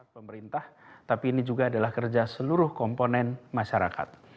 pemerintah tapi ini juga adalah kerja seluruh komponen masyarakat